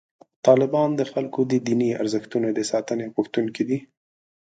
طالبان د خلکو د دیني ارزښتونو د ساتنې غوښتونکي دي.